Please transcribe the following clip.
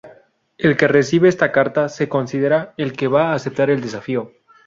El que recibe esta carta, se considera el que va aceptar el desafío.